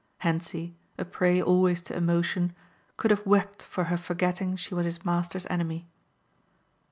Hentzi, a prey always to emotion, could have wept for her forgetting she was his master's enemy.